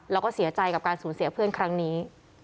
แล้วก็เสียใจกับการสูญเสียเพื่อนครั้งนี้